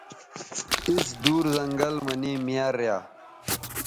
اِس دُور زنگل مہ نے میار ریا